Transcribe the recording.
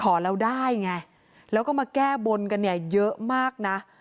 ขอแล้วได้ไงแล้วก็มาแก้บนกันเนี่ยเยอะมากนะ